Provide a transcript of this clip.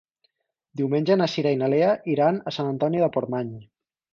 Diumenge na Cira i na Lea iran a Sant Antoni de Portmany.